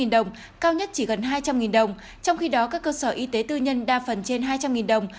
đồng cao nhất chỉ gần hai trăm linh đồng trong khi đó các cơ sở y tế tư nhân đa phần trên hai trăm linh đồng